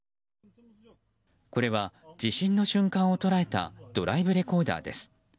これは地震の瞬間を捉えたドライブレコーダーです。